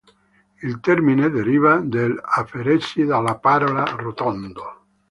Il termine deriva dall'aferesi della parola "rotondo".